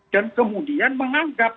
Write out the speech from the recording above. dan kemudian menganggap